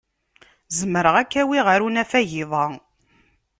Zemreɣ ad k-awiɣ ɣer unafag iḍ-a.